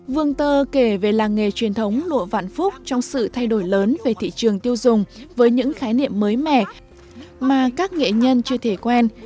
vương tơ kể về làng nghề truyền thống lụa vạn phúc trong sự thay đổi lớn về thị trường tiêu dùng với những khái niệm mới mẻ mà các nghệ nhân chưa thể quen